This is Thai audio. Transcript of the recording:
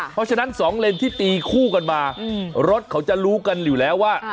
เพราะฉะนั้น๒เลนที่ตีคู่กันมารถเขาจะรู้กันอยู่แล้วว่า